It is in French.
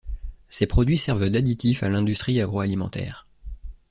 Ses produits servent d’additifs à l'industrie agro-alimentaire.